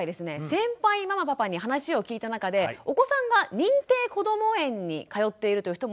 先輩ママパパに話を聞いた中でお子さんが認定こども園に通っているという人も非常に多かったんですね。